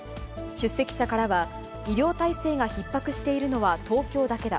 出席者からは、医療体制がひっ迫しているのは東京だけだ。